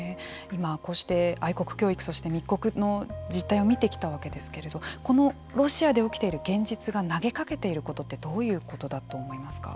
今こうして愛国教育として密告の実態を見てきたわけですけれどこのロシアで起きている現実が投げかけていることってどういうことだと思いますか？